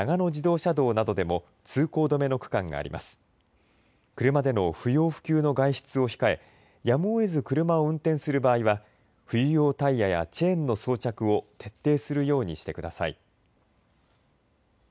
車での不要不急の外出を控えやむをえず車を運転する場合は冬用タイヤやチェーンの装着を徹底するようにしてください。